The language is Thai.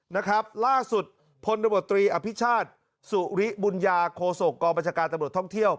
นะครับล่าสุดพลตบตรีอภิชาติสุริบุญญาโคศกกองบัญชาการตำรวจท่องเที่ยว